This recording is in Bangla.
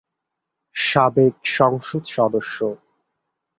সাবেক সংসদ সদস্য।